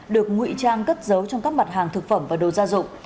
được ngụy trang cất giấu trong các mặt hàng thực phẩm và đồ gia dụng